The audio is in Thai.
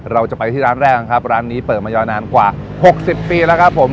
เราจะไปที่ร้านแรกนะครับร้านนี้เปิดมายาวนานกว่าหกสิบปีแล้วครับผม